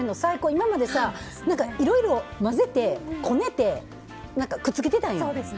今までさいろいろ混ぜて、こねてくっつけたんよ。